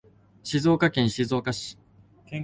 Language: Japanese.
静岡県静岡市